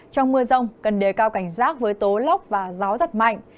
trong mưa rông cần đề cao cảnh giác với tố lốc và gió giật mạnh